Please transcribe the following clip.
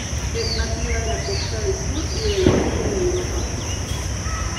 Es nativa de la costa del sur y del oeste de Europa.